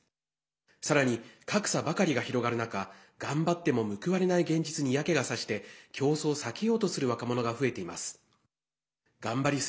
さらに、格差ばかりが広がる中頑張っても報われない現実に嫌気が差して競争を避けようとする若者が増えています。